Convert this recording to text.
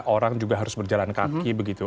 orang juga harus berjalan kaki begitu